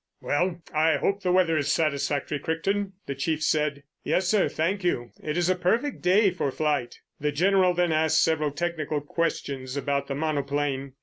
"Well, I hope the weather is satisfactory, Crichton?" the Chief said. "Yes, sir, thank you; it is a perfect day for a flight." The General then asked several technical questions about the monoplane.